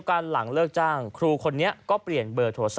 ปัญหาครอบครัวเรียบร้อยเซอะก่อน